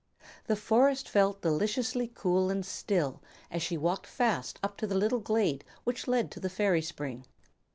The forest felt deliciously cool and still as she walked fast up the little glade which led to the Fairy Spring.